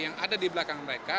yang ada di belakang mereka